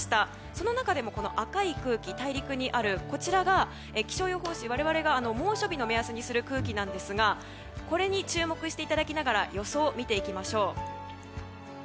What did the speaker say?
その中でも赤い空気、大陸にあるこちらが、気象予報士我々が猛暑日の目安にする空気なんですがこれに注目していただきながら予想を見ていきましょう。